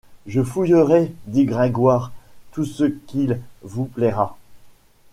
Je fouillerai, dit Gringoire, tout ce qu’il vous plaira.